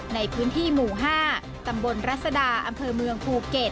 ในพื้นที่หมู่๕ตำบลรัศดาอำเภอเมืองภูเก็ต